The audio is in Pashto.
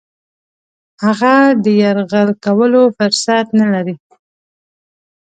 هغه د یرغل کولو فرصت نه لري.